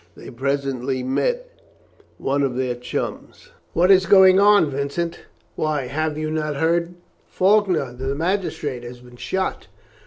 They presently met one of their chums. "What is going on, Vincent?" "Why, have you not heard? Faulkner, the magistrate, has been shot."